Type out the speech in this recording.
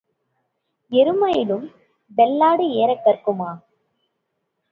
எருமையிலும் வெள்ளாடு ஏறக் கறக்குமா?